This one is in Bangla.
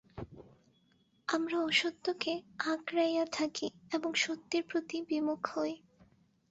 আমরা অসত্যকে আঁকড়াইয়া থাকি এবং সত্যের প্রতি বিমুখ হই।